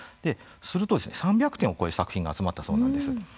すると３００点を超える作品が集まったそうなんです。